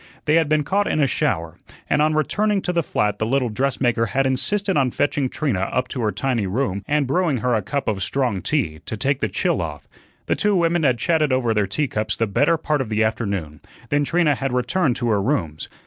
They had been caught in a shower, and on returning to the flat the little dressmaker had insisted on fetching Trina up to her tiny room and brewing her a cup of strong tea, "to take the chill off." The two women had chatted over their teacups the better part of the afternoon, then Trina had returned to her rooms.